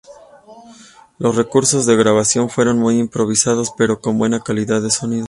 Los recursos de grabación fueron muy improvisados pero con buena calidad de sonido.